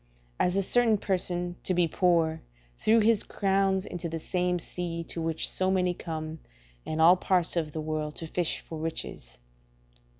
A certain person, to be poor, threw his crowns into the same sea to which so many come, in all parts of the world, to fish for riches.